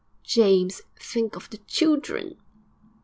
'James, think of the children!'